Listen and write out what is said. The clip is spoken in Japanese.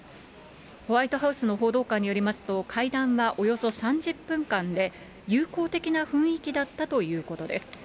ホワイトハウスの報道官によりますと、会談はおよそ３０分間で、友好的な雰囲気だったということです。